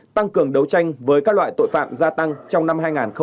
tăng cường đấu tranh với các loại tội phạm gia tăng trong năm hai nghìn hai mươi ba